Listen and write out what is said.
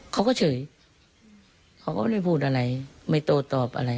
เขาก็เฉยเขาก็ไม่พูดอะไรไม่โตตอบอะไร